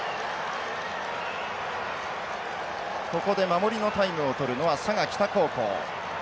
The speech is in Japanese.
ここで守りのタイムをとるのは佐賀北高校。